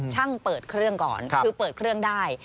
ช่างเปิดเครื่องก่อนคือเปิดเครื่องได้